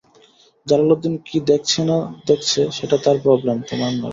Jalaluddin কী দেখেছে না-দেখেছে, সেটা তার প্রবলেম, তোমার নয়।